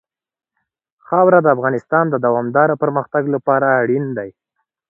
خاوره د افغانستان د دوامداره پرمختګ لپاره اړین دي.